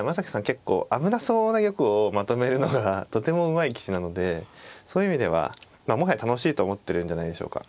結構危なそうな玉をまとめるのがとてもうまい棋士なのでそういう意味ではもはや楽しいと思ってるんじゃないでしょうか。